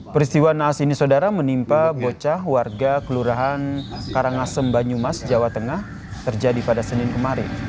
peristiwa naas ini saudara menimpa bocah warga kelurahan karangasem banyumas jawa tengah terjadi pada senin kemarin